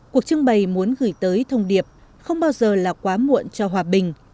cuộc trưng bày muốn gửi tới thông điệp không bao giờ là quá muộn cho hòa bình